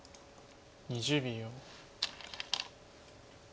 ２０秒。